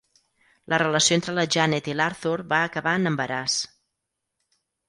La relació entre la Janet i l'Arthur va acabar en embaràs.